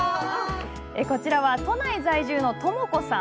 こちらは都内在住のともこさん。